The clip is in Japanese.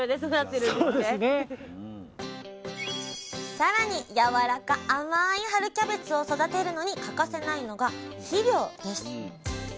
さらにやわらか甘い春キャベツを育てるのに欠かせないのが肥料です。